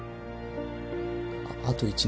あと１日。